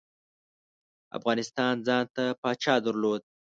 افغانستان ځانته پاچا درلود.